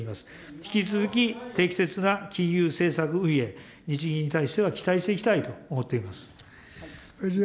引き続き、適切な金融政策運営、日銀に対しては期待していきたいと思っています。